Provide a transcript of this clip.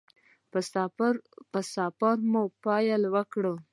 په سفر مو پیل وکړ.